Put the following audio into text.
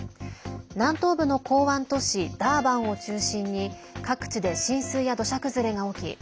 南東部の港湾都市ダーバンを中心に各地で浸水や土砂崩れが起き